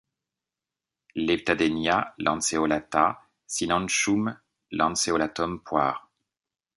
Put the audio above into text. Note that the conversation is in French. Leptadenia lanceolata, Cynanchum lanceolatum Poir.